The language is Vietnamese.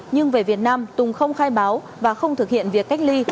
nhưng về việt nam tùng không khai báo và không thực hiện việc cách ly